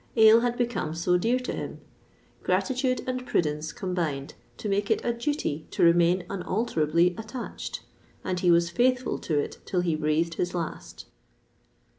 Ale had become so dear to him! Gratitude and prudence combined to make it a duty to remain unalterably attached, and he was faithful to it till he breathed his last.